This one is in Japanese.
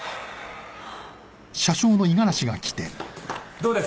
どうです？